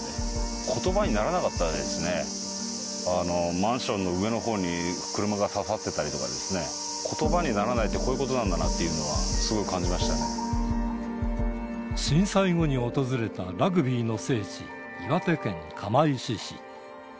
マンションの上のほうに車が刺さっていたりとか、ことばにならないってこういうことなんだなっていうのは、すごい震災後に訪れたラグビーの聖地、岩手県釜石市。